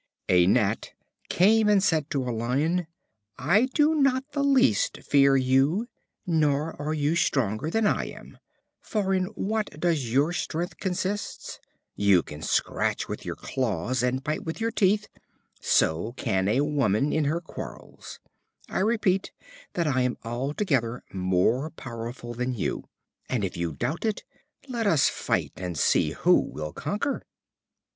A Gnat came and said to a Lion: "I do not the least fear you, nor are you stronger than I am. For in what does your strength consist? You can scratch with your claws, and bite with your teeth so can a woman in her quarrels. I repeat that I am altogether more powerful than you; and if you doubt it, let us fight and see who will conquer."